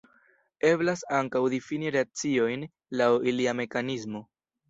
Eblas ankaŭ difini reakciojn laŭ ilia mekanismo.